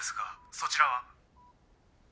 そちらは？」